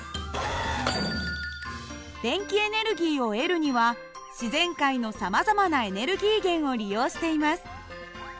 電気エネルギーを得るには自然界のさまざまなエネルギー源を利用しています。